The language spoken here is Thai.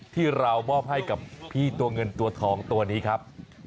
ที่เรามอบให้กับพี่ตัวเงินตัวทองตัวนี้ครับ